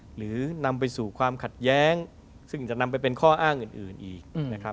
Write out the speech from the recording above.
หรือนำไปสู่ความขัดแย้งซึ่งจะนำไปเป็นข้ออ้างอื่นอีกนะครับ